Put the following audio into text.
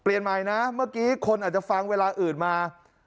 เปลี่ยนใหม่นะเมื่อกี้คนอาจจะฟังเวลาอื่นมา